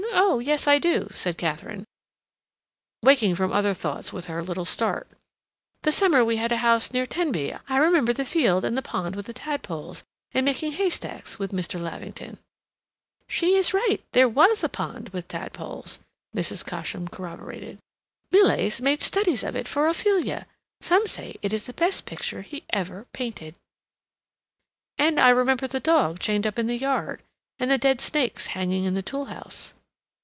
Oh, yes, I do," said Katharine, waking from other thoughts with her little start. "The summer we had a house near Tenby. I remember the field and the pond with the tadpoles, and making haystacks with Mr. Lavington." "She is right. There was a pond with tadpoles," Mrs. Cosham corroborated. "Millais made studies of it for 'Ophelia.' Some say that is the best picture he ever painted—" "And I remember the dog chained up in the yard, and the dead snakes hanging in the toolhouse."